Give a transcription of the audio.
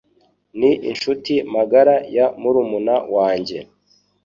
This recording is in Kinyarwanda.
Ni inshuti magara ya murumuna wanjye.